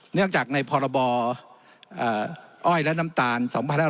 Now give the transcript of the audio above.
เนื่องจากในพรบอ้อยและน้ำตาล๒๕๖๒